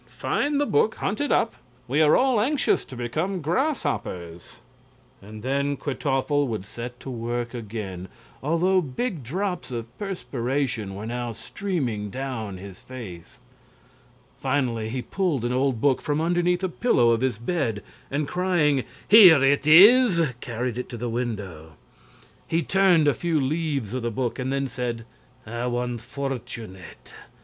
Find the book! Hunt it up. We are all anxious to become grasshoppers." And then Kwytoffle would set to work again, although big drops of perspiration were now streaming down his face. Finally he pulled an old book from underneath the pillow of his bed, and crying, "Here it is!" carried it to the window. He turned a few leaves of the book and then said: "How unfortunate!